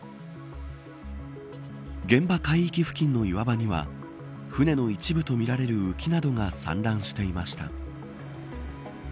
現場海域付近の岩場には船の一部とみられる浮きなどが散乱していました。